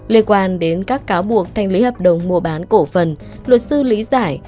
liên quan đến các cáo buộc thanh lý hợp đồng mua bán cổ phần luật sư lý giải